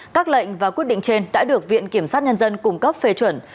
các lệnh và quyết định trên đã được viện kiểm sát nhân dân cung cấp phê chuẩn